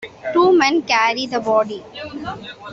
Two men carry the body.